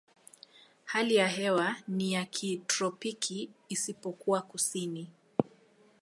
Hali ya hewa ni ya kitropiki isipokuwa kusini.